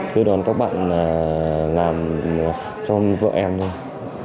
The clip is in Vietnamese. đưa đón các bạn làm cho vợ em thôi